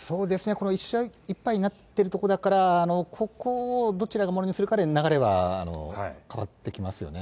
この１勝１敗になってるところだから、ここをどちらがものにするかで、流れは変わってきますよね。